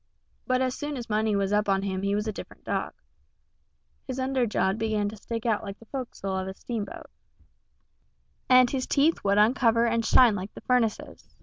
But as soon as money was up on him he was a different dog; his under jaw'd begin to stick out like the fo'castle of a steamboat, and his teeth would uncover and shine like the furnaces.